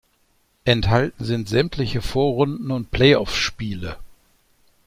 Enthalten sind sämtliche Vorrunden- und Play-off-Spiele.